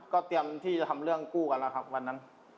ก็เตรียมที่จะทำเรื่องกู้กันแล้วครับวันนั้น